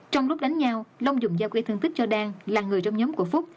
trong lúc đánh nhau long dùng dao gây thương tích cho đan là người trong nhóm của phúc